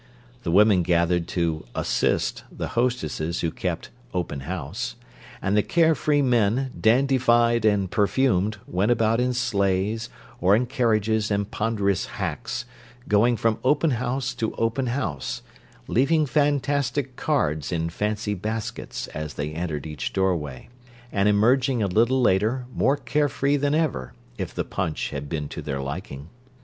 The women gathered to "assist" the hostesses who kept "Open House"; and the carefree men, dandified and perfumed, went about in sleighs, or in carriages and ponderous "hacks," going from Open House to Open House, leaving fantastic cards in fancy baskets as they entered each doorway, and emerging a little later, more carefree than ever, if the punch had been to their liking.